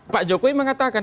pak jokowi mengatakan